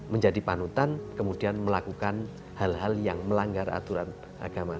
menjadi panutan kemudian melakukan hal hal yang melanggar aturan agama